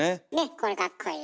これかっこいい。